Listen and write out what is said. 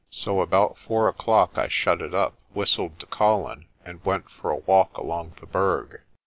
So about four o'clock I shut it up, whistled to Colin, and went for a walk along the Berg.